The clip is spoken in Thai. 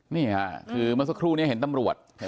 นี่ค่ะคือเมื่อสักครู่นี้เห็นตำรวจ